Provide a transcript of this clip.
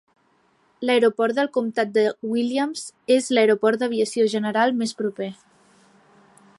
L'aeroport del comptat de Williams és l'aeroport d'aviació general més proper.